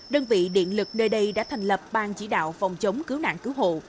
đơn vị điện lực nơi đây đã thành lập ban chỉ đạo phòng chống cứu nạn cứu hộ